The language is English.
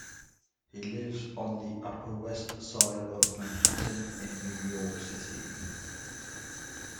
He lives on the Upper West Side of Manhattan in New York City.